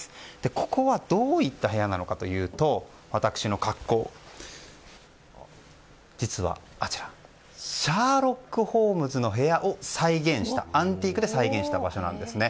ここはどういった部屋なのかというと実はシャーロック・ホームズの部屋をアンティークで再現した場所なんですね。